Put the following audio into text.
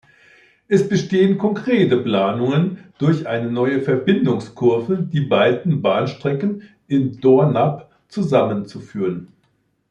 Es bestehen konkrete Planungen, durch eine neue Verbindungskurve die beiden Bahnstrecken in Dornap zusammenzuführen.